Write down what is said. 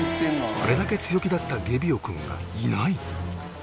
あれだけ強気だったゲビオ君がいない